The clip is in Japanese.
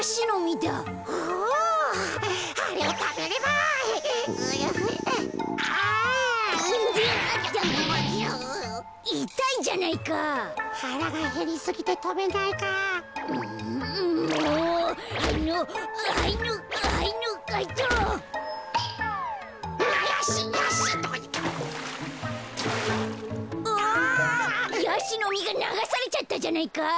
やしのみがながされちゃったじゃないか！